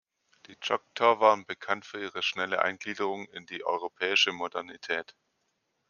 Die Chahta waren bekannt für ihre schnelle Eingliederung in die europäische Modernität.